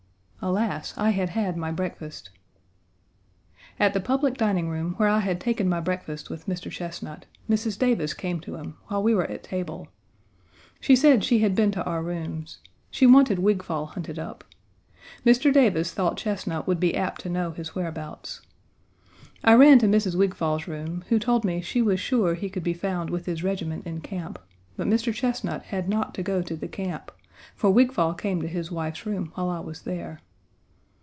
Alas! I had had my breakfast. At the public dining room, where I had taken my breakfast with Mr. Chesnut, Mrs. Davis came to him, while we were at table. She said she had been to our rooms. She wanted Wigfall hunted up. Mr. Davis thought Chesnut would be apt to know his whereabouts. I ran to Mrs. Wigfall's room, who told me she was sure he could be found with his regiment in camp, but Mr. Chesnut had not to go to the camp, for Wigfall came to his wife's room while I was there.